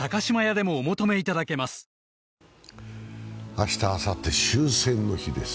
明日、あさって終戦の日です。